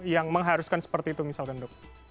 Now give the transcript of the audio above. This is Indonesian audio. yang mengharuskan seperti itu misalkan dok